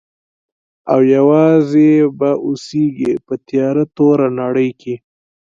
او یوازي به اوسیږي په تیاره توره نړۍ کي.